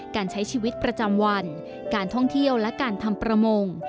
การใช้ชีวิตประจำวันการท่องเที่ยวและการทำประมง